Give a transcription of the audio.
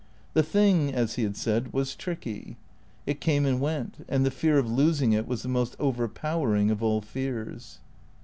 The thing, as he had said, was tricky ; it came and went ; and the fear of losing it was the most overpowering of all fears.